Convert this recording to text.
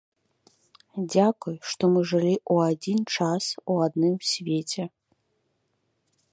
Дзякуй, што мы жылі ў адзін час у адным свеце.